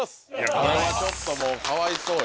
これはちょっともうかわいそうよ。